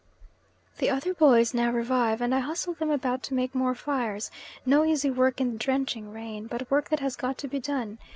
The other boys now revive, and I hustle them about to make more fires, no easy work in the drenching rain, but work that has got to be done.